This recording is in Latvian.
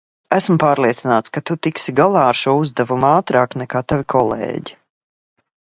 Esmu pārliecināts, ka tu tiksi galā ar šo uzdevumu ātrāk, nekā tavi kolēģi.